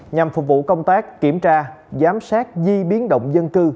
nhằm phục vụ công tác kiểm tra giám sát di biến động dân cư